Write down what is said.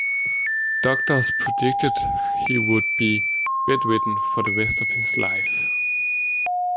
Doctors predicted he would be bedridden for the rest of his life.